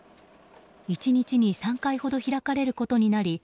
１日に３回ほど開かれることになり